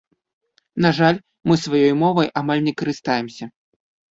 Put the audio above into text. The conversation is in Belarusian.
На жаль, мы сваёй мовай амаль не карыстаемся.